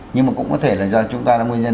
nhưng mà cũng có thể là do chúng ta là nguyên nhân